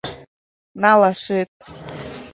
Налашет